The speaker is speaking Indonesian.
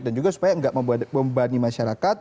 dan juga supaya nggak membanding masyarakat